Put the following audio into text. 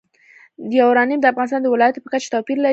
یورانیم د افغانستان د ولایاتو په کچه توپیر لري.